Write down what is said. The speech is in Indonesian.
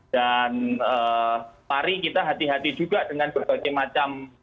dan hari kita hati hati juga dengan berbagai macam